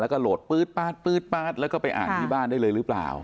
แล้วก็โหลดปื๊ดแล้วก็ไปอ่านที่บ้านได้เลยหรือเปล่า